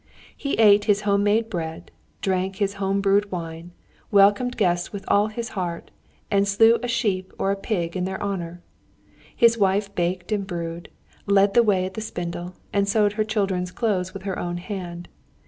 He ate his home made bread, drank his home brewed wine, welcomed guests with all his heart, and slew a sheep or a pig in their honour. His wife baked and brewed, led the way at the spindle, and sewed her children's clothes with her own hand.